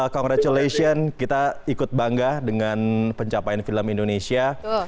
congratulation kita ikut bangga dengan pencapaian film indonesia